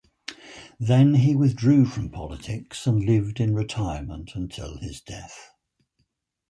Then he withdrew from politics, and lived in retirement until his death.